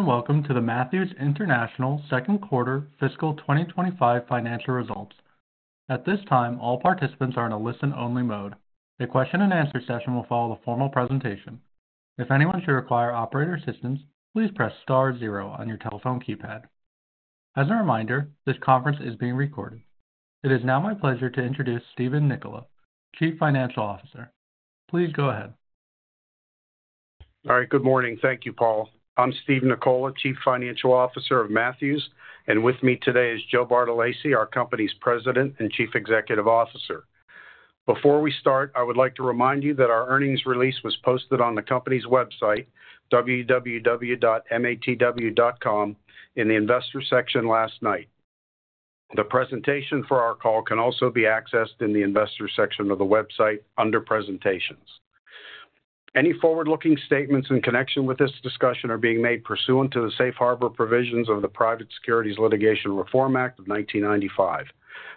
Welcome to the Matthews International Second Quarter Fiscal 2025 financial results. At this time, all participants are in a listen-only mode. The Q&A session will follow the formal presentation. If anyone should require operator assistance, please press star zero on your telephone keypad. As a reminder, this conference is being recorded. It is now my pleasure to introduce Steve Nicola, Chief Financial Officer. Please go ahead. All right. Good morning. Thank you, Paul. I'm Steve Nicola, Chief Financial Officer of Matthews, and with me today is Joe Bartolacci, our company's President and Chief Executive Officer. Before we start, I would like to remind you that our earnings release was posted on the company's website, www.matw.com, in the Investor Section last night. The presentation for our call can also be accessed in the Investor Section of the website under Presentations. Any forward-looking statements in connection with this discussion are being made pursuant to the safe harbor provisions of the Private Securities Litigation Reform Act of 1995.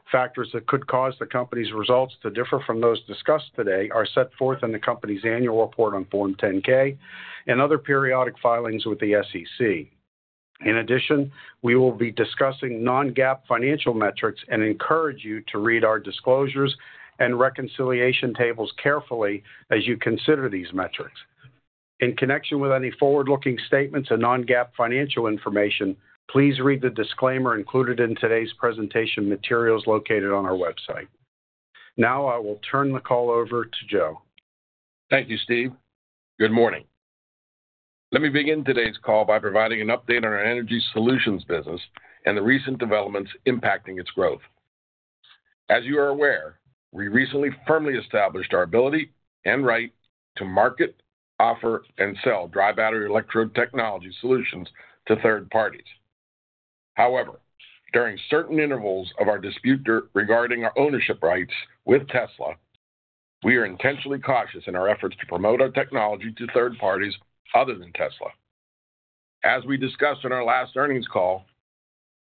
Factors that could cause the company's results to differ from those discussed today are set forth in the company's annual report on Form 10-K and other periodic filings with the SEC. In addition, we will be discussing non-GAAP financial metrics and encourage you to read our disclosures and reconciliation tables carefully as you consider these metrics. In connection with any forward-looking statements and non-GAAP financial information, please read the disclaimer included in today's presentation materials located on our website. Now, I will turn the call over to Joe. Thank you, Steve. Good morning. Let me begin today's call by providing an update on our Energy Solutions business and the recent developments impacting its growth. As you are aware, we recently firmly established our ability and right to market, offer, and sell dry battery electrode technology solutions to third parties. However, during certain intervals of our dispute regarding our ownership rights with Tesla, we are intentionally cautious in our efforts to promote our technology to third parties other than Tesla. As we discussed in our last earnings call,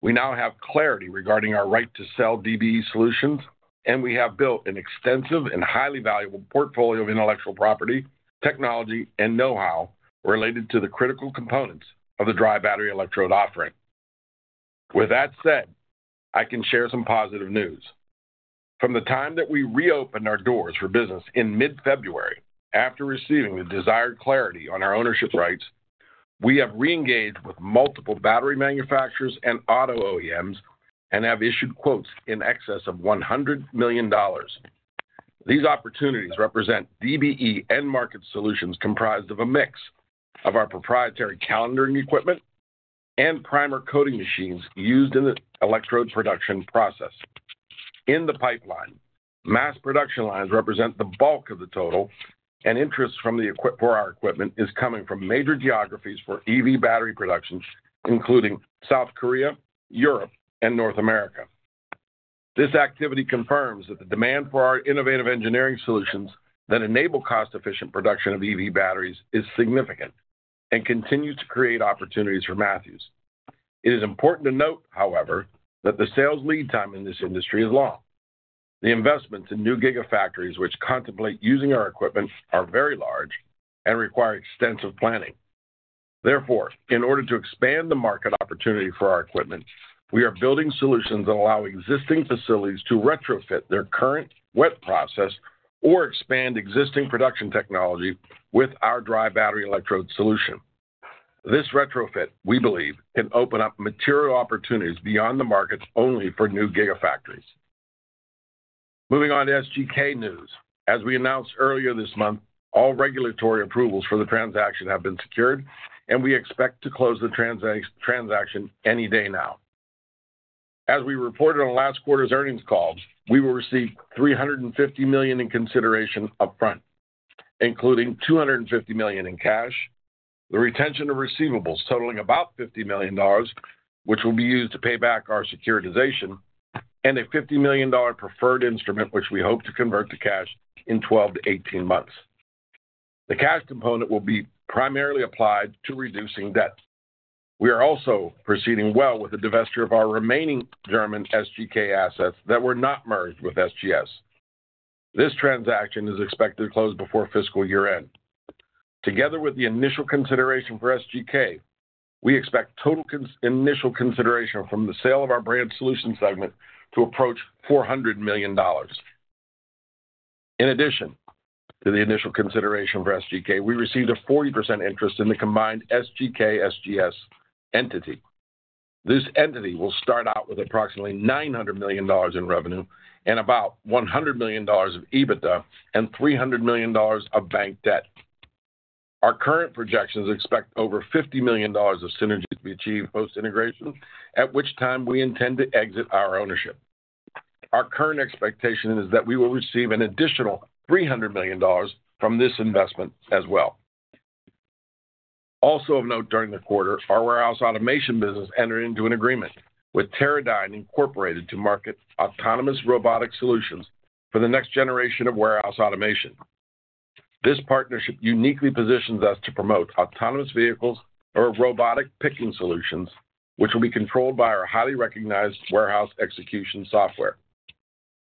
we now have clarity regarding our right to sell DBE solutions, and we have built an extensive and highly valuable portfolio of intellectual property, technology, and know-how related to the critical components of the dry battery electrode offering. With that said, I can share some positive news. From the time that we reopened our doors for business in mid-February after receiving the desired clarity on our ownership rights, we have re-engaged with multiple battery manufacturers and auto OEMs and have issued quotes in excess of $100 million. These opportunities represent DBE end-market solutions comprised of a mix of our proprietary calendering equipment and primer coating machines used in the electrode production process. In the pipeline, mass production lines represent the bulk of the total, and interest from our equipment is coming from major geographies for EV battery production, including South Korea, Europe, and North America. This activity confirms that the demand for our innovative engineering solutions that enable cost-efficient production of EV batteries is significant and continues to create opportunities for Matthews. It is important to note, however, that the sales lead time in this industry is long. The investments in new gigafactories, which contemplate using our equipment, are very large and require extensive planning. Therefore, in order to expand the market opportunity for our equipment, we are building solutions that allow existing facilities to retrofit their current wet process or expand existing production technology with our dry battery electrode solution. This retrofit, we believe, can open up material opportunities beyond the market only for new gigafactories. Moving on to SGK news. As we announced earlier this month, all regulatory approvals for the transaction have been secured, and we expect to close the transaction any day now. As we reported on last quarter's earnings calls, we will receive $350 million in consideration upfront, including $250 million in cash, the retention of receivables totaling about $50 million, which will be used to pay back our securitization, and a $50 million preferred instrument, which we hope to convert to cash in 12 to 18 months. The cash component will be primarily applied to reducing debt. We are also proceeding well with the divestiture of our remaining German SGK assets that were not merged with SGS. This transaction is expected to close before fiscal year-end. Together with the initial consideration for SGK, we expect total initial consideration from the sale of our Brand Solutions segment to approach $400 million. In addition to the initial consideration for SGK, we received a 40% interest in the combined SGK-SGS entity. This entity will start out with approximately $900 million in revenue and about $100 million of EBITDA and $300 million of bank debt. Our current projections expect over $50 million of synergy to be achieved post-integration, at which time we intend to exit our ownership. Our current expectation is that we will receive an additional $300 million from this investment as well. Also of note, during the quarter, our Warehouse Automation business entered into an agreement with Teradyne Incorporated to market autonomous robotic solutions for the next generation of Warehouse Automation. This partnership uniquely positions us to promote autonomous vehicles or robotic picking solutions, which will be controlled by our highly recognized warehouse execution software.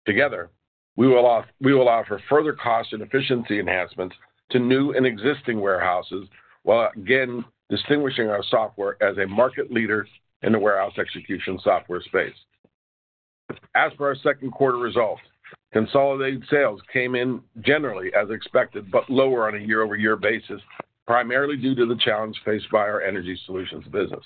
Together, we will offer further cost and efficiency enhancements to new and existing warehouses while again distinguishing our software as a market leader in the warehouse execution software space. As for our second quarter results, consolidated sales came in generally as expected, but lower on a year-over-year basis, primarily due to the challenge faced by our Energy Solutions business.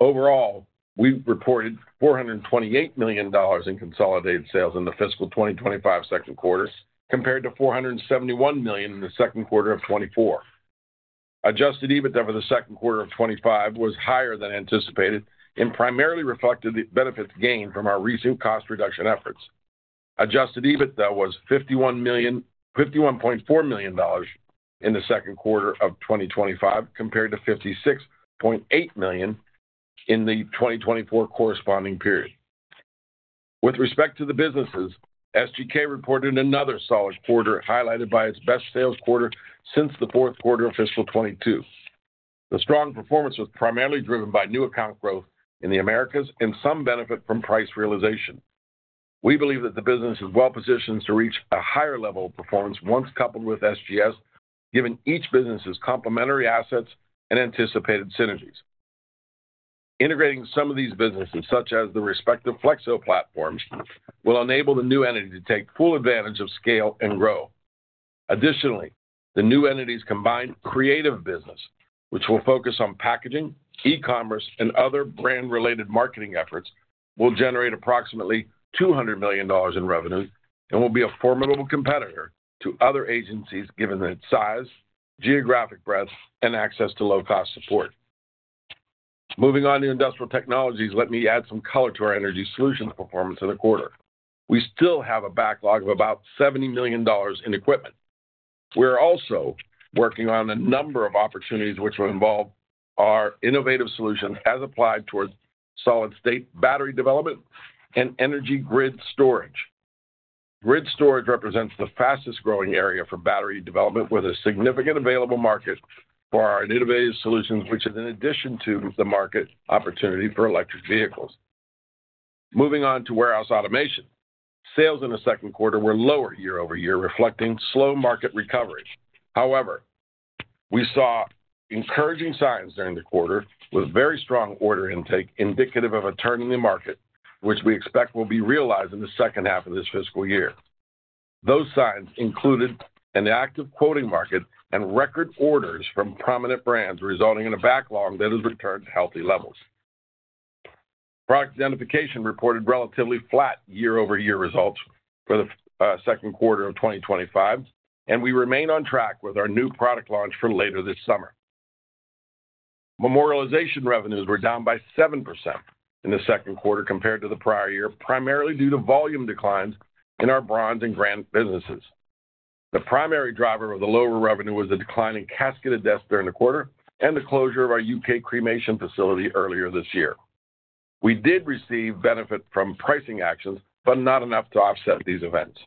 Overall, we reported $428 million in consolidated sales in the fiscal 2025 second quarter, compared to $471 million in the second quarter of 2024. Adjusted EBITDA for the second quarter of 2025 was higher than anticipated and primarily reflected the benefits gained from our recent cost reduction efforts. Adjusted EBITDA was $51.4 million in the second quarter of 2025, compared to $56.8 million in the 2024 corresponding period. With respect to the businesses, SGK reported another solid quarter, highlighted by its best sales quarter since the fourth quarter of fiscal 2022. The strong performance was primarily driven by new account growth in the Americas and some benefit from price realization. We believe that the business is well positioned to reach a higher level of performance once coupled with SGS, given each business's complementary assets and anticipated synergies. Integrating some of these businesses, such as the respective Flexo platforms, will enable the new entity to take full advantage of scale and grow. Additionally, the new entity's combined creative business, which will focus on packaging, e-commerce, and other brand-related marketing efforts, will generate approximately $200 million in revenue and will be a formidable competitor to other agencies, given its size, geographic breadth, and access to low-cost support. Moving on to Industrial Technologies, let me add some color to our Energy Solutions performance in the quarter. We still have a backlog of about $70 million in equipment. We are also working on a number of opportunities which will involve our innovative solutions as applied towards solid-state battery development and energy grid storage. Grid storage represents the fastest-growing area for battery development, with a significant available market for our innovative solutions, which is in addition to the market opportunity for electric vehicles. Moving on to Warehouse Automation, sales in the second quarter were lower year-over-year, reflecting slow market recovery. However, we saw encouraging signs during the quarter with very strong order intake, indicative of a turn in the market, which we expect will be realized in the second half of this fiscal year. Those signs included an active quoting market and record orders from prominent brands, resulting in a backlog that has returned to healthy levels. Product Identification reported relatively flat year-over-year results for the second quarter of 2025, and we remain on track with our new product launch for later this summer. Memorialization revenues were down by 7% in the second quarter compared to the prior year, primarily due to volume declines in our bronze and granite businesses. The primary driver of the lower revenue was the declining casketed deaths during the quarter and the closure of our U.K. cremation facility earlier this year. We did receive benefit from pricing actions, but not enough to offset these events.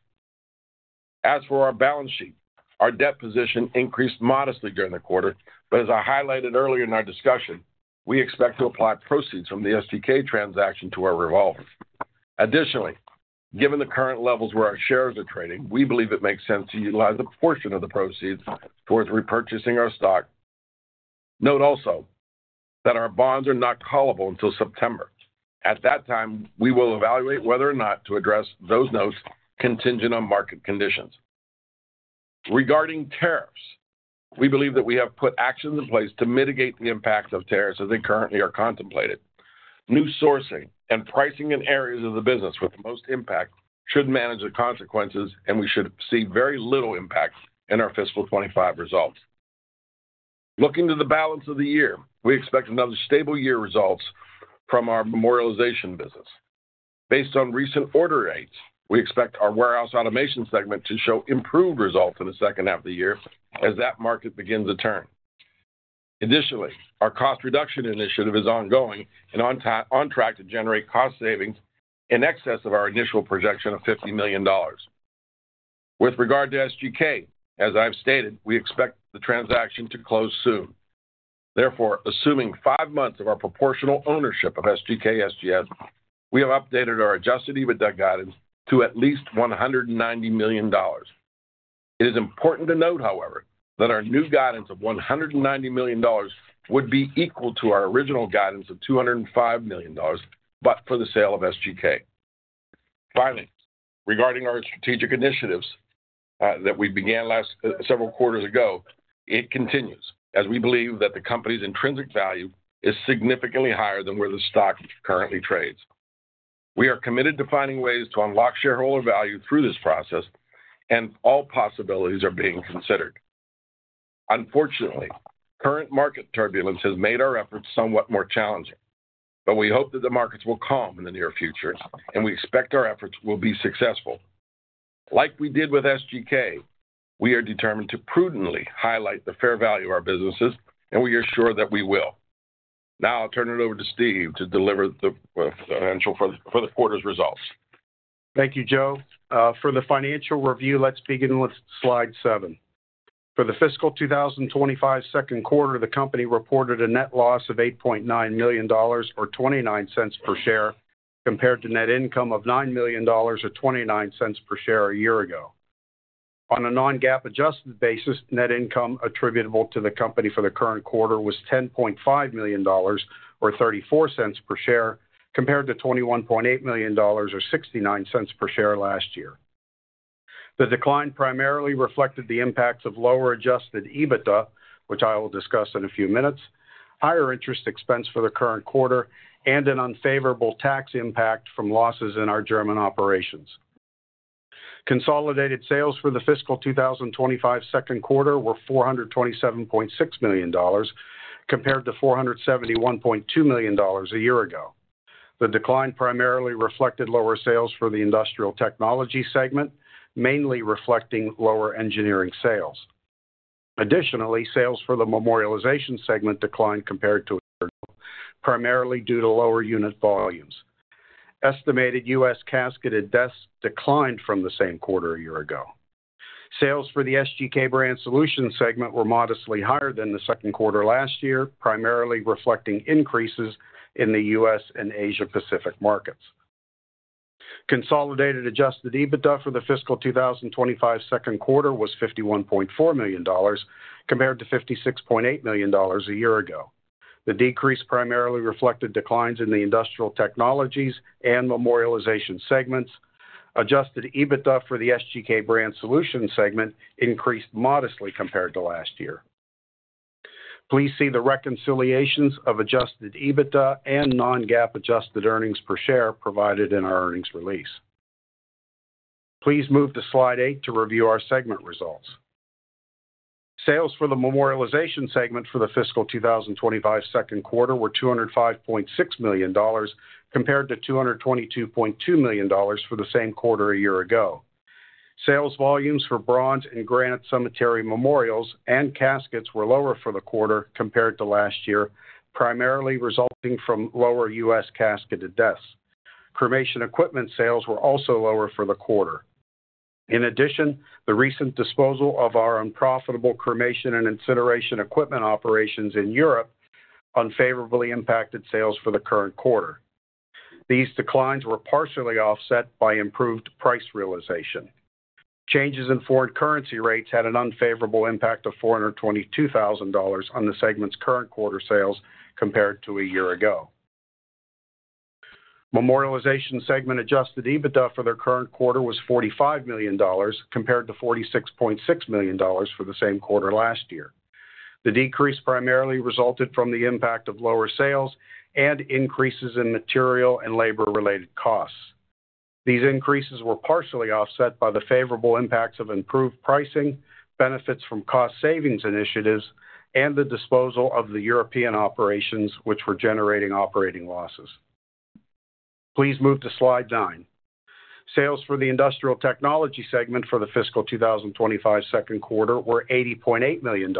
As for our balance sheet, our debt position increased modestly during the quarter, but as I highlighted earlier in our discussion, we expect to apply proceeds from the SGK transaction to our revolver. Additionally, given the current levels where our shares are trading, we believe it makes sense to utilize a portion of the proceeds towards repurchasing our stock. Note also that our bonds are not callable until September. At that time, we will evaluate whether or not to address those notes contingent on market conditions. Regarding tariffs, we believe that we have put actions in place to mitigate the impacts of tariffs as they currently are contemplated. New sourcing and pricing in areas of the business with the most impact should manage the consequences, and we should see very little impact in our fiscal 2025 results. Looking to the balance of the year, we expect another stable year results from our Memorialization business. Based on recent order rates, we expect our Warehouse Automation segment to show improved results in the second half of the year as that market begins to turn. Additionally, our cost reduction initiative is ongoing and on track to generate cost savings in excess of our initial projection of $50 million. With regard to SGK, as I've stated, we expect the transaction to close soon. Therefore, assuming five months of our proportional ownership of SGK-SGS, we have updated our adjusted EBITDA guidance to at least $190 million. It is important to note, however, that our new guidance of $190 million would be equal to our original guidance of $205 million, but for the sale of SGK. Finally, regarding our strategic initiatives that we began several quarters ago, it continues as we believe that the company's intrinsic value is significantly higher than where the stock currently trades. We are committed to finding ways to unlock shareholder value through this process, and all possibilities are being considered. Unfortunately, current market turbulence has made our efforts somewhat more challenging, but we hope that the markets will calm in the near future, and we expect our efforts will be successful. Like we did with SGK, we are determined to prudently highlight the fair value of our businesses, and we are sure that we will. Now, I'll turn it over to Steve to deliver the financials for the quarter's results. Thank you, Joe. For the financial review, let's begin with slide seven. For the fiscal 2025 second quarter, the company reported a net loss of $8.9 million, or $0.29 per share, compared to net income of $9 million, or $0.29 per share a year ago. On a non-GAAP adjusted basis, net income attributable to the company for the current quarter was $10.5 million, or $0.34 per share, compared to $21.8 million, or $0.69 per share last year. The decline primarily reflected the impacts of lower adjusted EBITDA, which I will discuss in a few minutes, higher interest expense for the current quarter, and an unfavorable tax impact from losses in our German operations. Consolidated sales for the fiscal 2025 second quarter were $427.6 million, compared to $471.2 million a year ago. The decline primarily reflected lower sales for the Industrial Technology segment, mainly reflecting lower engineering sales. Additionally, sales for the Memorialization segment declined compared to a year ago, primarily due to lower unit volumes. Estimated U.S. casketed deaths declined from the same quarter a year ago. Sales for the SGK Brand Solutions segment were modestly higher than the second quarter last year, primarily reflecting increases in the U.S. and Asia-Pacific markets. Consolidated adjusted EBITDA for the fiscal 2025 second quarter was $51.4 million, compared to $56.8 million a year ago. The decrease primarily reflected declines in the Industrial Technologies and Memorialization segments. Adjusted EBITDA for the SGK Brand Solutions segment increased modestly compared to last year. Please see the reconciliations of adjusted EBITDA and non-GAAP adjusted earnings per share provided in our earnings release. Please move to slide eight to review our segment results. Sales for the Memorialization segment for the fiscal 2025 second quarter were $205.6 million, compared to $222.2 million for the same quarter a year ago. Sales volumes for bronze and granite cemetery memorials and caskets were lower for the quarter compared to last year, primarily resulting from lower U.S. casketed deaths. Cremation equipment sales were also lower for the quarter. In addition, the recent disposal of our unprofitable cremation and incineration equipment operations in Europe unfavorably impacted sales for the current quarter. These declines were partially offset by improved price realization. Changes in foreign currency rates had an unfavorable impact of $422,000 on the segment's current quarter sales compared to a year ago. Memorialization segment adjusted EBITDA for the current quarter was $45 million, compared to $46.6 million for the same quarter last year. The decrease primarily resulted from the impact of lower sales and increases in material and labor-related costs. These increases were partially offset by the favorable impacts of improved pricing, benefits from cost savings initiatives, and the disposal of the European operations, which were generating operating losses. Please move to slide nine. Sales for the Industrial Technology segment for the fiscal 2025 second quarter were $80.8 million,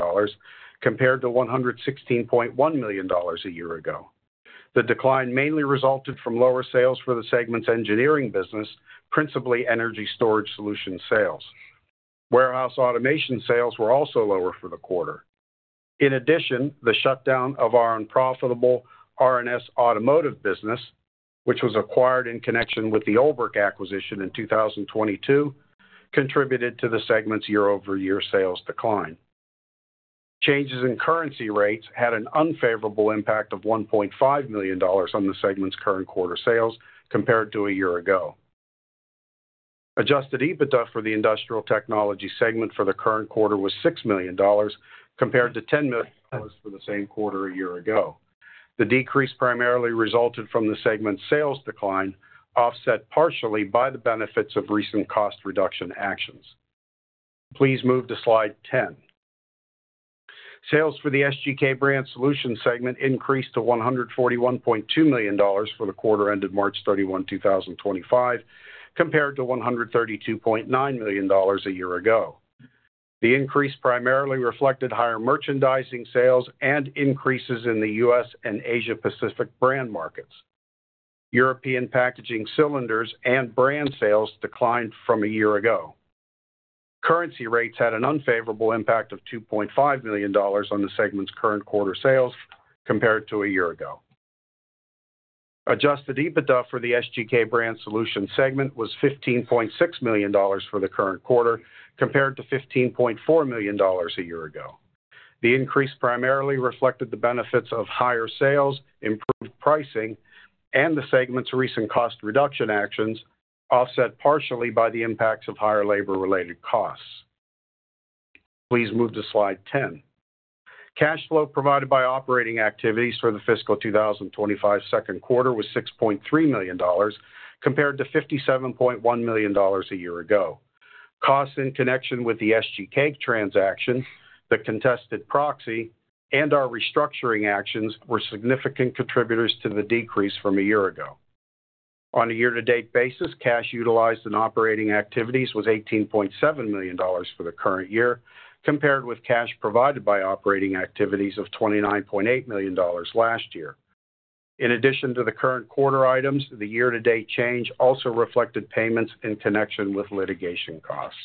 compared to $116.1 million a year ago. The decline mainly resulted from lower sales for the segment's engineering business, principally energy storage solution sales. Warehouse Automation sales were also lower for the quarter. In addition, the shutdown of our unprofitable R&S Automotive business, which was acquired in connection with the OLBRICH acquisition in 2022, contributed to the segment's year-over-year sales decline. Changes in currency rates had an unfavorable impact of $1.5 million on the segment's current quarter sales compared to a year ago. Adjusted EBITDA for the Industrial Technology segment for the current quarter was $6 million, compared to $10 million for the same quarter a year ago. The decrease primarily resulted from the segment's sales decline, offset partially by the benefits of recent cost reduction actions. Please move to slide ten. Sales for the SGK Brand Solutions segment increased to $141.2 million for the quarter ended March 31, 2025, compared to $132.9 million a year ago. The increase primarily reflected higher merchandising sales and increases in the US and Asia-Pacific brand markets. European packaging cylinders and brand sales declined from a year ago. Currency rates had an unfavorable impact of $2.5 million on the segment's current quarter sales compared to a year ago. Adjusted EBITDA for the SGK Brand Solutions segment was $15.6 million for the current quarter, compared to $15.4 million a year ago. The increase primarily reflected the benefits of higher sales, improved pricing, and the segment's recent cost reduction actions, offset partially by the impacts of higher labor-related costs. Please move to slide ten. Cash flow provided by operating activities for the fiscal 2025 second quarter was $6.3 million, compared to $57.1 million a year ago. Costs in connection with the SGK transactions, the contested proxy, and our restructuring actions were significant contributors to the decrease from a year ago. On a year-to-date basis, cash utilized in operating activities was $18.7 million for the current year, compared with cash provided by operating activities of $29.8 million last year. In addition to the current quarter items, the year-to-date change also reflected payments in connection with litigation costs.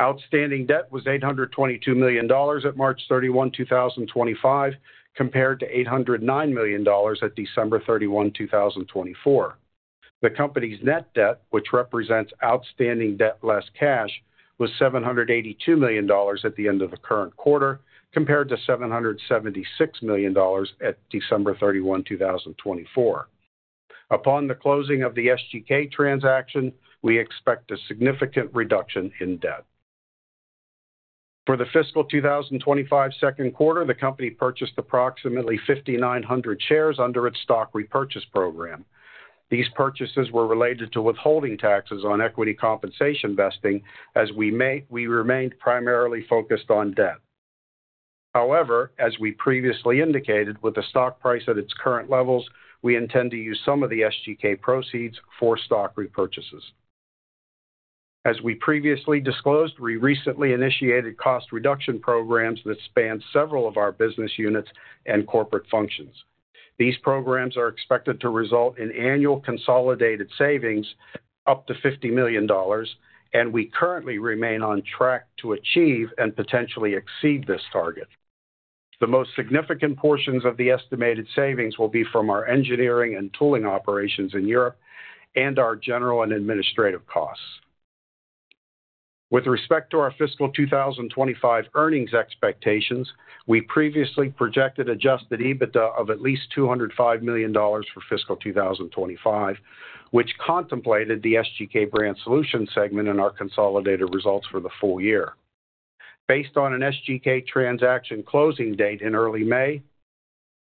Outstanding debt was $822 million at March 31, 2025, compared to $809 million at December 31, 2024. The company's net debt, which represents outstanding debt less cash, was $782 million at the end of the current quarter, compared to $776 million at December 31, 2024. Upon the closing of the SGK transaction, we expect a significant reduction in debt. For the fiscal 2025 second quarter, the company purchased approximately 5,900 shares under its stock repurchase program. These purchases were related to withholding taxes on equity compensation vesting, as we remained primarily focused on debt. However, as we previously indicated, with the stock price at its current levels, we intend to use some of the SGK proceeds for stock repurchases. As we previously disclosed, we recently initiated cost reduction programs that span several of our business units and corporate functions. These programs are expected to result in annual consolidated savings up to $50 million, and we currently remain on track to achieve and potentially exceed this target. The most significant portions of the estimated savings will be from our engineering and tooling operations in Europe and our general and administrative costs. With respect to our fiscal 2025 earnings expectations, we previously projected adjusted EBITDA of at least $205 million for fiscal 2025, which contemplated the SGK Brand Solutions segment in our consolidated results for the full year. Based on an SGK transaction closing date in early May,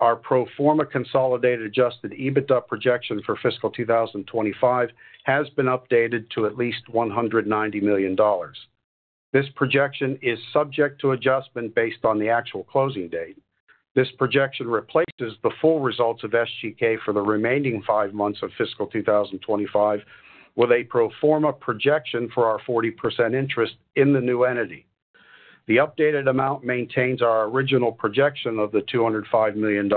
our pro forma consolidated adjusted EBITDA projection for fiscal 2025 has been updated to at least $190 million. This projection is subject to adjustment based on the actual closing date. This projection replaces the full results of SGK for the remaining five months of fiscal 2025, with a pro forma projection for our 40% interest in the new entity. The updated amount maintains our original projection of the $205 million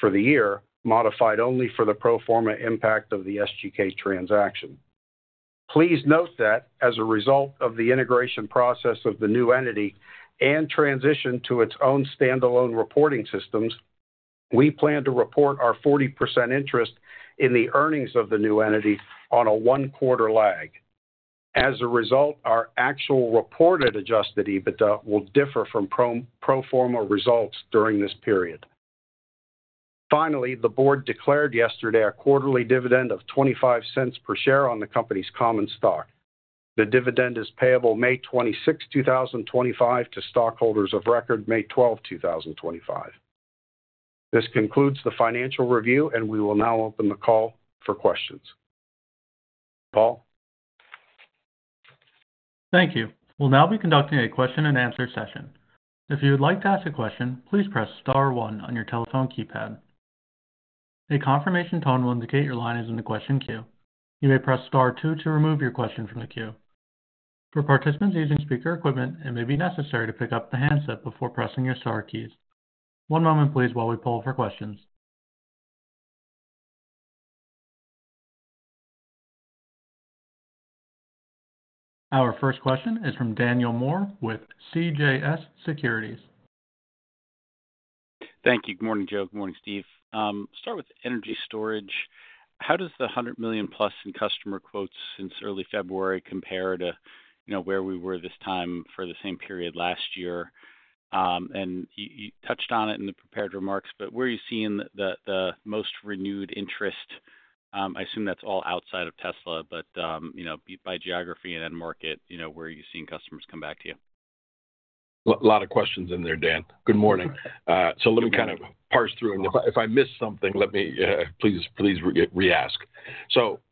for the year, modified only for the pro forma impact of the SGK transaction. Please note that as a result of the integration process of the new entity and transition to its own standalone reporting systems, we plan to report our 40% interest in the earnings of the new entity on a one-quarter lag. As a result, our actual reported adjusted EBITDA will differ from pro forma results during this period. Finally, the board declared yesterday a quarterly dividend of $0.25 per share on the company's common stock. The dividend is payable May 26, 2025, to stockholders of record May 12, 2025. This concludes the financial review, and we will now open the call for questions. Paul? Thank you. We'll now be conducting a Q&A session. If you would like to ask a question, please press star one on your telephone keypad. A confirmation tone will indicate your line is in the question queue. You may press star two to remove your question from the queue. For participants using speaker equipment, it may be necessary to pick up the handset before pressing your star keys. One moment, please, while we pull for questions. Our first question is from Daniel Moore with CJS Securities. Thank you. Good morning, Joe. Good morning, Steve. Start with energy storage. How does the $100 million-plus in customer quotes since early February compare to where we were this time for the same period last year? You touched on it in the prepared remarks, but where are you seeing the most renewed interest? I assume that's all outside of Tesla, but by geography and end market, where are you seeing customers come back to you? A lot of questions in there, Dan. Good morning. Let me kind of parse through. If I missed something, please reask.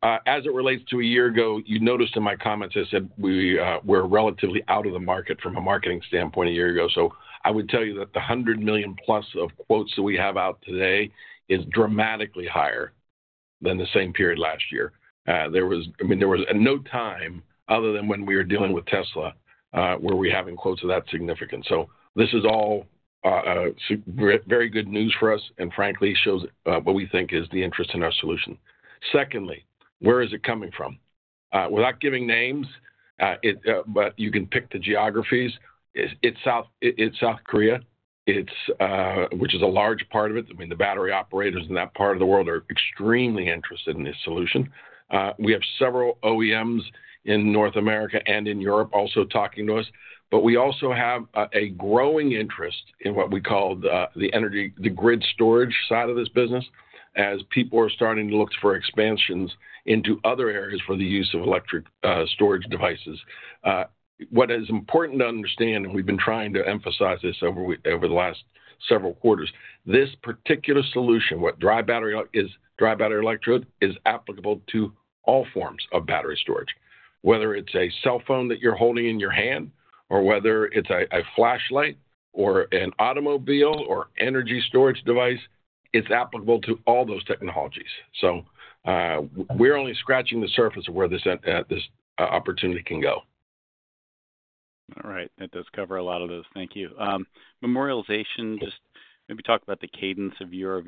As it relates to a year ago, you noticed in my comments I said we were relatively out of the market from a marketing standpoint a year ago. I would tell you that the $100 million-plus of quotes that we have out today is dramatically higher than the same period last year. I mean, there was no time other than when we were dealing with Tesla where we were having quotes of that significance. This is all very good news for us and, frankly, shows what we think is the interest in our solution. Secondly, where is it coming from? Without giving names, but you can pick the geographies. It's South Korea, which is a large part of it. I mean, the battery operators in that part of the world are extremely interested in this solution. We have several OEMs in North America and in Europe also talking to us, but we also have a growing interest in what we call the grid storage side of this business as people are starting to look for expansions into other areas for the use of electric storage devices. What is important to understand, and we've been trying to emphasize this over the last several quarters, this particular solution, what dry battery is, dry battery electrode, is applicable to all forms of battery storage. Whether it's a cell phone that you're holding in your hand or whether it's a flashlight or an automobile or energy storage device, it's applicable to all those technologies. We are only scratching the surface of where this opportunity can go. All right. That does cover a lot of those. Thank you. Memorialization, just maybe talk about the cadence of your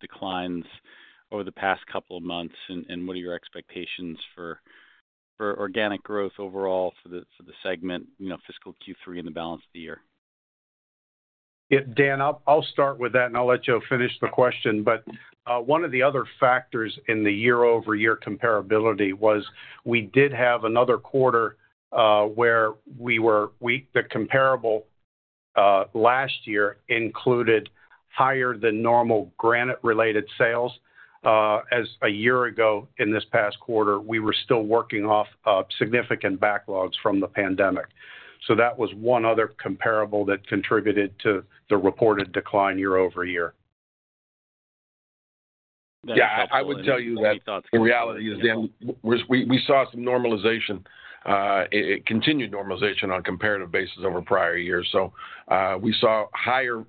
declines over the past couple of months and what are your expectations for organic growth overall for the segment, fiscal Q3 in the balance of the year? Dan, I'll start with that and I'll let Joe finish the question. One of the other factors in the year-over-year comparability was we did have another quarter where we were weak. The comparable last year included higher than normal granite-related sales. As a year ago in this past quarter, we were still working off significant backlogs from the pandemic. That was one other comparable that contributed to the reported decline year-over-year. Yeah, I would tell you that in reality, we saw some normalization, continued normalization on comparative basis over prior years. We saw higher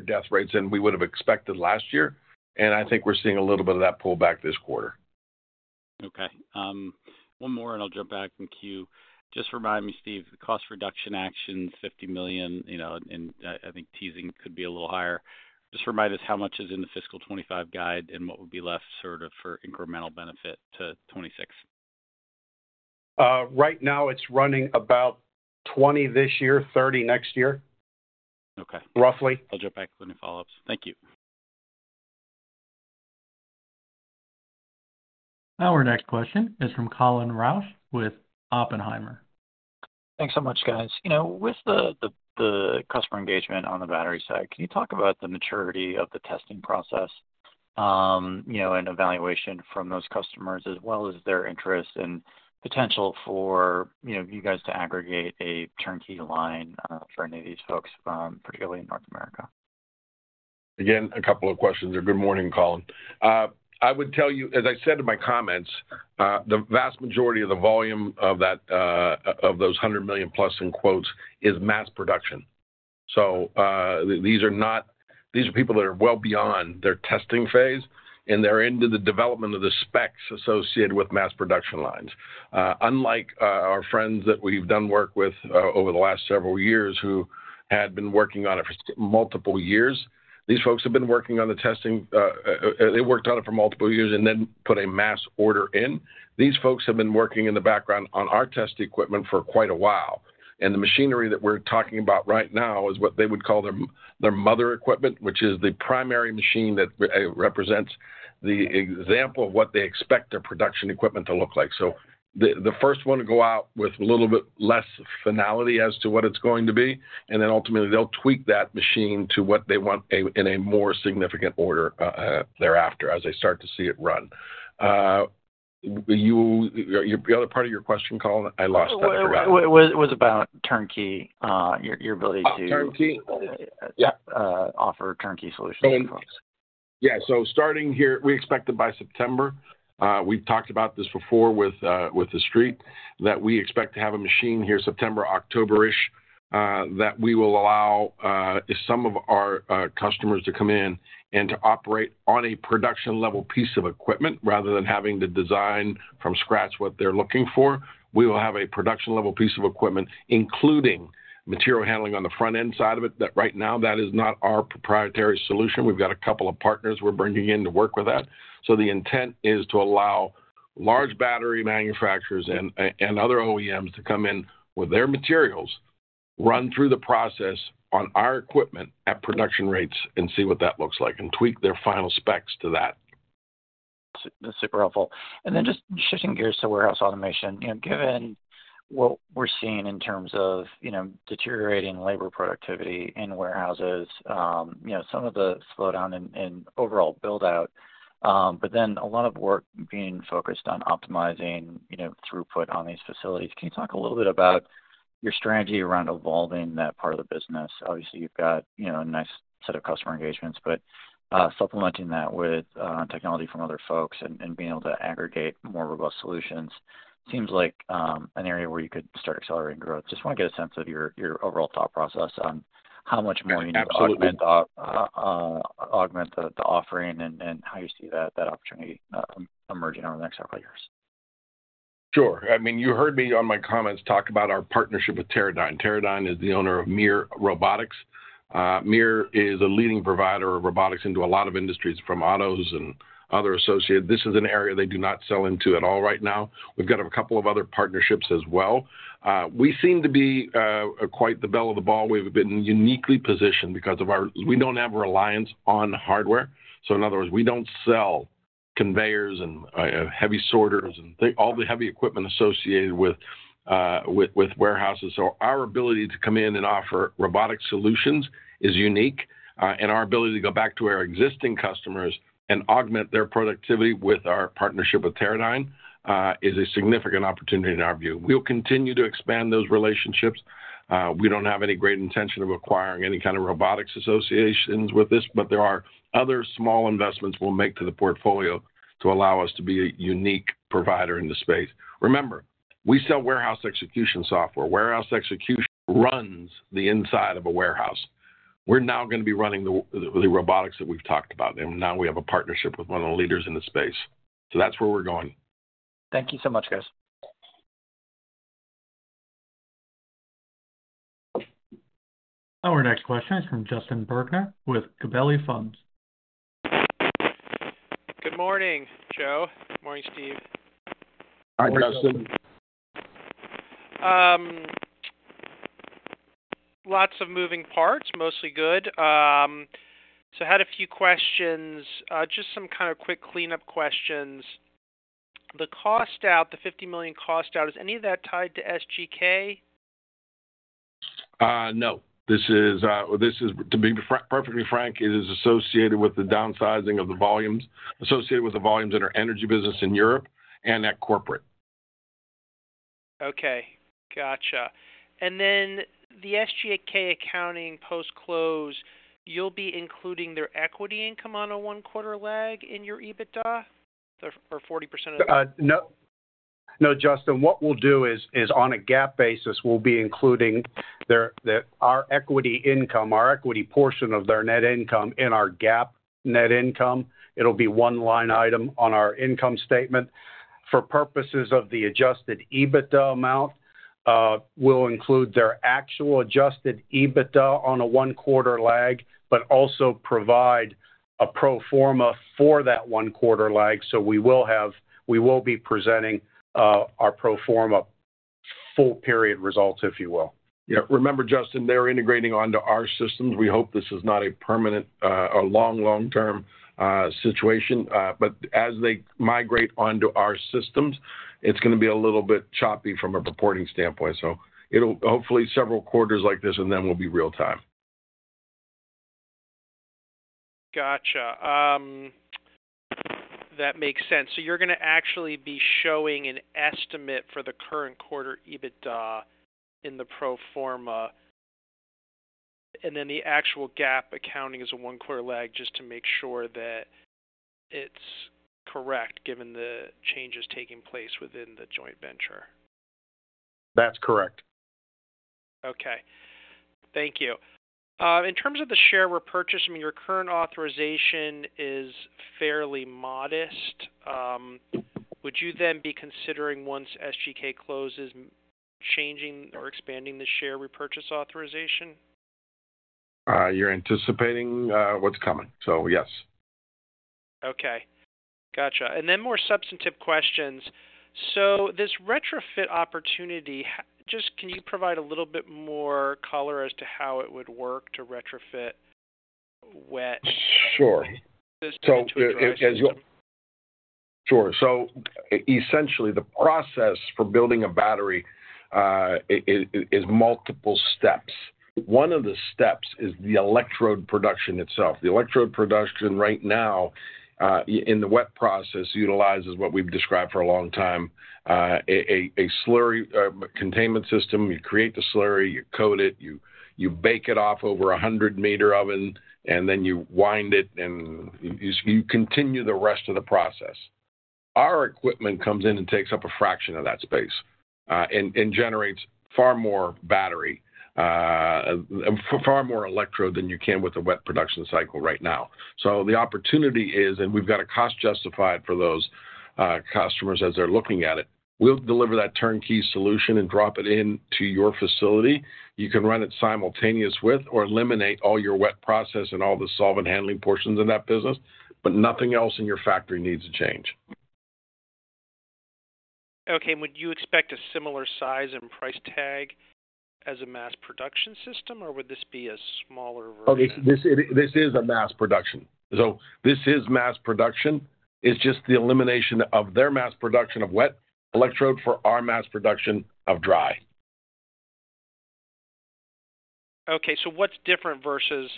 death rates than we would have expected last year, and I think we're seeing a little bit of that pullback this quarter. Okay. One more, and I'll jump back in queue. Just remind me, Steve, the cost reduction action, $50 million, and I think teasing could be a little higher. Just remind us how much is in the fiscal 2025 guide and what would be left sort of for incremental benefit to 2026? Right now, it's running about 20 this year, 30 next year, roughly. Okay. I'll jump back with any follow-ups. Thank you. Our next question is from Colin Rusch with Oppenheimer. Thanks so much, guys. With the customer engagement on the battery side, can you talk about the maturity of the testing process and evaluation from those customers, as well as their interest and potential for you guys to aggregate a turnkey line for any of these folks, particularly in North America? Again, a couple of questions. Good morning, Colin. I would tell you, as I said in my comments, the vast majority of the volume of those $100 million-plus in quotes is mass production. These are people that are well beyond their testing phase, and they are into the development of the specs associated with mass production lines. Unlike our friends that we have done work with over the last several years who had been working on it for multiple years, these folks have been working on the testing. They worked on it for multiple years and then put a mass order in. These folks have been working in the background on our test equipment for quite a while. The machinery that we're talking about right now is what they would call their mother equipment, which is the primary machine that represents the example of what they expect their production equipment to look like. The first one to go out with a little bit less finality as to what it's going to be, and then ultimately they'll tweak that machine to what they want in a more significant order thereafter as they start to see it run. The other part of your question, Colin, I lost that for a second. It was about turnkey, your ability to offer turnkey solutions to folks. Yeah. Starting here, we expect that by September, we've talked about this before with the street, that we expect to have a machine here September, October-ish, that we will allow some of our customers to come in and to operate on a production-level piece of equipment rather than having to design from scratch what they're looking for. We will have a production-level piece of equipment, including material handling on the front-end side of it. Right now, that is not our proprietary solution. We've got a couple of partners we're bringing in to work with that. The intent is to allow large battery manufacturers and other OEMs to come in with their materials, run through the process on our equipment at production rates, and see what that looks like, and tweak their final specs to that. That's super helpful. Just shifting gears to Warehouse Automation, given what we're seeing in terms of deteriorating labor productivity in warehouses, some of the slowdown in overall build-out, but then a lot of work being focused on optimizing throughput on these facilities. Can you talk a little bit about your strategy around evolving that part of the business? Obviously, you've got a nice set of customer engagements, but supplementing that with technology from other folks and being able to aggregate more robust solutions seems like an area where you could start accelerating growth. Just want to get a sense of your overall thought process on how much more you need to augment the offering and how you see that opportunity emerging over the next several years. Sure. I mean, you heard me on my comments talk about our partnership with Teradyne. Teradyne is the owner of MiR Robotics. MiR is a leading provider of robotics into a lot of industries from autos and other associated. This is an area they do not sell into at all right now. We have got a couple of other partnerships as well. We seem to be quite the bell of the ball. We have been uniquely positioned because we do not have reliance on hardware. In other words, we do not sell conveyors and heavy sorters and all the heavy equipment associated with warehouses. Our ability to come in and offer robotic solutions is unique, and our ability to go back to our existing customers and augment their productivity with our partnership with Teradyne is a significant opportunity in our view. We will continue to expand those relationships. We do not have any great intention of acquiring any kind of robotics associations with this, but there are other small investments we will make to the portfolio to allow us to be a unique provider in the space. Remember, we sell warehouse execution software. Warehouse execution runs the inside of a warehouse. We are now going to be running the robotics that we have talked about. Now we have a partnership with one of the leaders in the space. That is where we are going. Thank you so much, guys. Our next question is from Justin Bergner with Gabelli Funds. Good morning, Joe. Morning, Steve. Hi, Justin. Lots of moving parts, mostly good. I had a few questions, just some kind of quick cleanup questions. The cost out, the $50 million cost out, is any of that tied to SGK? No. This is, to be perfectly frank, it is associated with the downsizing of the volumes associated with the volumes in our energy business in Europe and at corporate. Okay. Gotcha. The SGK accounting post-close, you'll be including their equity income on a one-quarter lag in your EBITDA or 40% of that? No, Justin. What we'll do is, on a GAAP basis, we'll be including our equity income, our equity portion of their net income in our GAAP net income. It'll be one line item on our income statement. For purposes of the adjusted EBITDA amount, we'll include their actual adjusted EBITDA on a one-quarter lag, but also provide a pro forma for that one-quarter lag. We will be presenting our pro forma full-period results, if you will. Yeah. Remember, Justin, they're integrating onto our systems. We hope this is not a permanent, long, long-term situation. As they migrate onto our systems, it's going to be a little bit choppy from a reporting standpoint. Hopefully, several quarters like this, and then we'll be real-time. Gotcha. That makes sense. You are going to actually be showing an estimate for the current quarter EBITDA in the pro forma, and then the actual GAAP accounting is a one-quarter lag just to make sure that it is correct given the changes taking place within the joint venture. That's correct. Okay. Thank you. In terms of the share repurchase, I mean, your current authorization is fairly modest. Would you then be considering, once SGK closes, changing or expanding the share repurchase authorization? You're anticipating what's coming. Yes. Okay. Gotcha. More substantive questions. This retrofit opportunity, just can you provide a little bit more color as to how it would work to retrofit? Sure. Essentially, the process for building a battery is multiple steps. One of the steps is the electrode production itself. The electrode production right now in the wet process utilizes what we've described for a long time, a slurry containment system. You create the slurry, you coat it, you bake it off over a 100-meter oven, and then you wind it, and you continue the rest of the process. Our equipment comes in and takes up a fraction of that space and generates far more battery, far more electrode than you can with a wet production cycle right now. The opportunity is, and we've got to cost-justify it for those customers as they're looking at it. We'll deliver that turnkey solution and drop it into your facility. You can run it simultaneous with or eliminate all your wet process and all the solvent handling portions in that business, but nothing else in your factory needs to change. Okay. Would you expect a similar size and price tag as a mass production system, or would this be a smaller version? Okay. This is mass production. It's just the elimination of their mass production of wet electrode for our mass production of dry. Okay. What's different versus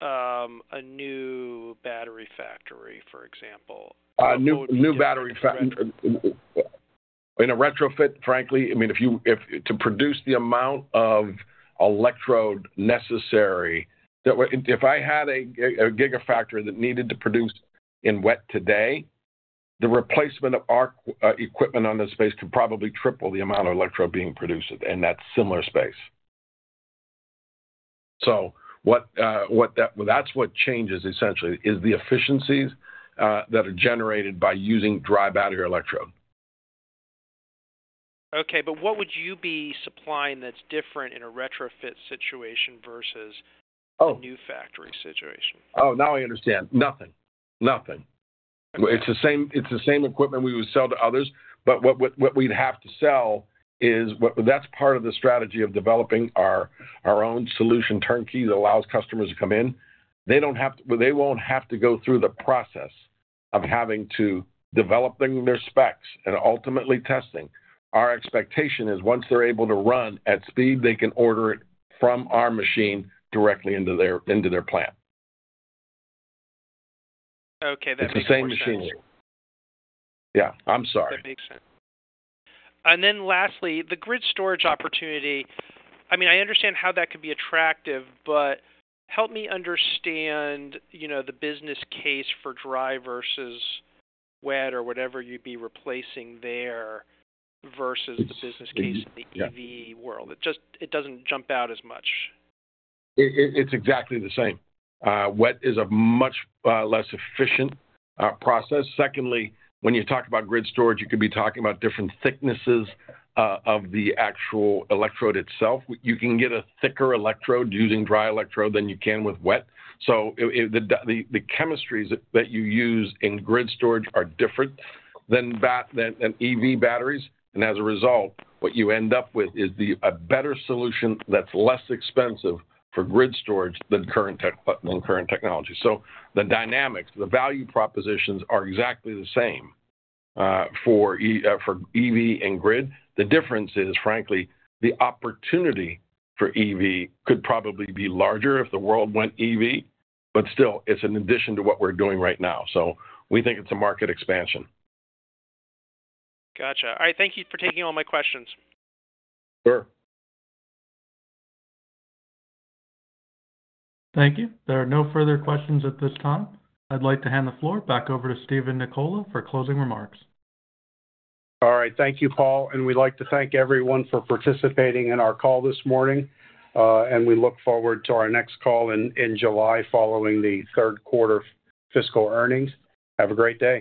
a new battery factory, for example? New battery factory. In a retrofit, frankly, I mean, to produce the amount of electrode necessary, if I had a gigafactory that needed to produce in wet today, the replacement of our equipment on this space could probably triple the amount of electrode being produced in that similar space. That is what changes, essentially, is the efficiencies that are generated by using dry battery electrode. Okay. What would you be supplying that's different in a retrofit situation versus a new factory situation? Oh, now I understand. Nothing. Nothing. It's the same equipment we would sell to others, but what we'd have to sell is that's part of the strategy of developing our own solution turnkey that allows customers to come in. They won't have to go through the process of having to develop their specs and ultimately testing. Our expectation is once they're able to run at speed, they can order it from our machine directly into their plant. Okay. That makes sense. It's the same machinery. Yeah. I'm sorry. That makes sense. Lastly, the grid storage opportunity. I mean, I understand how that could be attractive, but help me understand the business case for dry versus wet or whatever you would be replacing there versus the business case in the EV world. It does not jump out as much. It's exactly the same. Wet is a much less efficient process. Secondly, when you talk about grid storage, you could be talking about different thicknesses of the actual electrode itself. You can get a thicker electrode using dry electrode than you can with wet. The chemistries that you use in grid storage are different than EV batteries. As a result, what you end up with is a better solution that's less expensive for grid storage than current technology. The dynamics, the value propositions are exactly the same for EV and grid. The difference is, frankly, the opportunity for EV could probably be larger if the world went EV, but still, it's in addition to what we're doing right now. We think it's a market expansion. Gotcha. All right. Thank you for taking all my questions. Sure. Thank you. There are no further questions at this time. I'd like to hand the floor back over to Steven Nicola for closing remarks. All right. Thank you, Paul. We would like to thank everyone for participating in our call this morning, and we look forward to our next call in July following the third quarter fiscal earnings. Have a great day.